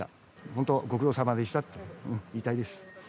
本当、ご苦労様でしたって言いたいです。